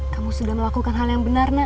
kamu sudah melakukan hal yang benar nak